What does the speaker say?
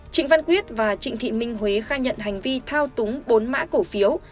trịnh văn quyết và trịnh thị minh huế khai nhận hành vi thao túng bốn mã cổ phiếu